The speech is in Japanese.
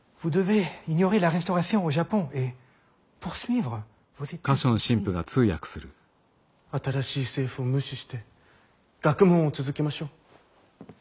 「新しい政府を無視して学問を続けましょう」。